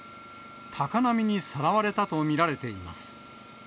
高波にさらわれたと見られています。